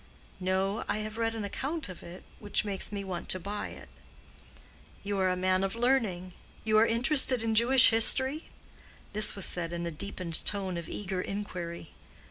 "No. I have read an account of it, which makes me want to buy it." "You are a man of learning—you are interested in Jewish history?" This was said in a deepened tone of eager inquiry.